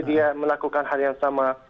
dia melakukan hal yang sama